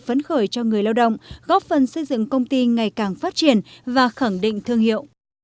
phấn khởi cho người lao động góp phần xây dựng công ty ngày càng phát triển và khẳng định thương hiệu